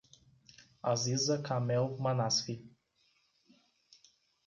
Aziza Kamel Manasfi